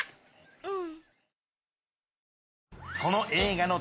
うん。